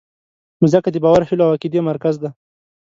مځکه د باور، هیلو او عقیدې مرکز ده.